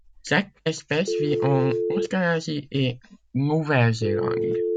Cette espèce vit en Australasie et Nouvelle-Zélande.